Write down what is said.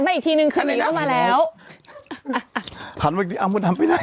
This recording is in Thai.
เมื่อกี้พี่มาแล้วพี่ทำอะไรอยู่ข้างใน